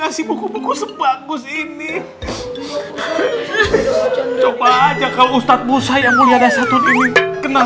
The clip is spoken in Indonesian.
kasih buku buku sebagus ini coba aja kalau ustadz busa yang mulia ada satu diri kena